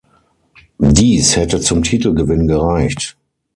Dies hätte zum Titelgewinn gereicht.